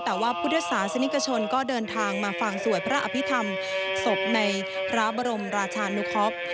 แต่ว่าพุทธศาสนิกชนก็เดินทางมาฟังสวดพระอภิษฐรรมศพในพระบรมราชานุเคาะ